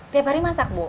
tiap hari masak bu